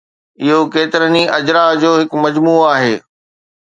اهو ڪيترن ئي اجزاء جو هڪ مجموعو آهي